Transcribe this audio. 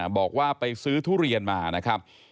บอกว่าไปซื้อทุเรียนมานะครับ